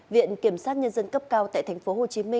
viện kiểm sát nhân dân cấp cao tại tp hcm